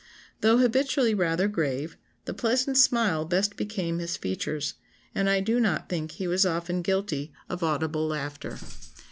"Though habitually rather grave, the pleasant smile best became his features, and I do not think he was often guilty of audible laughter."